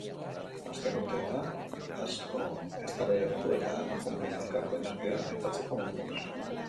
Azken urteetan, asko eztabaidatu da emakumeen aurkako indarkeria aipatzeko moduaz.